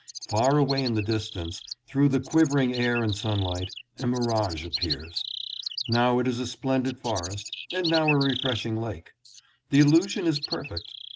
Far away in the distance, through the quivering air and sunlight, a mirage appears. Now it is a splendid forest and now a refreshing lake. The illusion is per fect.